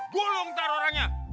gue ntar ntar orangnya